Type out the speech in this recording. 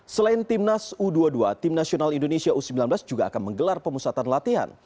selain timnas u dua puluh dua tim nasional indonesia u sembilan belas juga akan menggelar pemusatan latihan